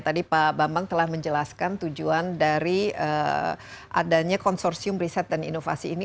tadi pak bambang telah menjelaskan tujuan dari adanya konsorsium riset dan inovasi ini